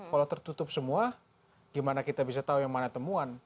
kalau tertutup semua gimana kita bisa tahu yang mana temuan